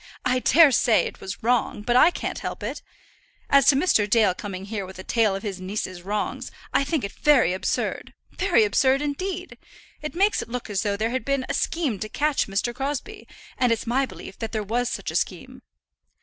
I dare say it was wrong, but I can't help it. As to Mr. Dale coming here with a tale of his niece's wrongs, I think it very absurd, very absurd indeed. It makes it look as though there had been a scheme to catch Mr. Crosbie, and it's my belief that there was such a scheme."